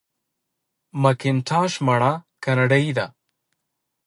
مکینټاش مڼه کاناډايي ده.